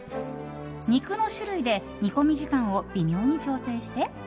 肉の種類で煮込み時間を微妙に調整して。